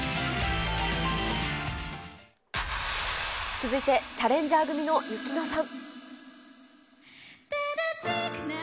続いて、チャレンジャー組のユキノさん。